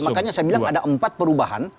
makanya saya bilang ada empat perubahan